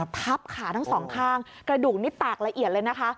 ทับขาทั้งสองข้างกระดูกนี้แตกละเอียดเลยนะคะ